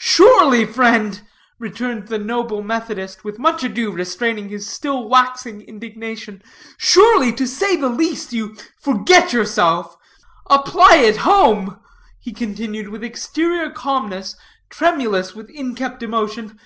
"Surely, friend," returned the noble Methodist, with much ado restraining his still waxing indignation "surely, to say the least, you forget yourself. Apply it home," he continued, with exterior calmness tremulous with inkept emotion.